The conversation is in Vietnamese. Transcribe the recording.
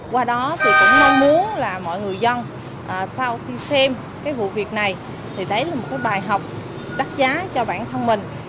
qua đó thì cũng mong muốn là mọi người dân sau khi xem cái vụ việc này thì đấy là một cái bài học đắt giá cho bản thân mình